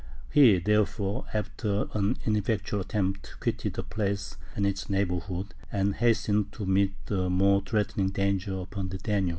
He, therefore, after an ineffectual attempt, quitted the place and its neighbourhood, and hastened to meet a more threatening danger upon the Danube.